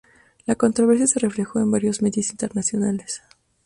La controversia se reflejó en varios medios internacionales.